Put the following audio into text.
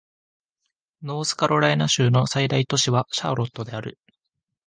ノースカロライナ州の最大都市はシャーロットである